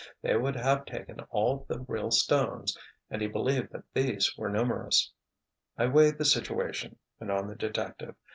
They would have taken all the real stones, and he believed that these were numerous. "I weighed the situation," went on the detective.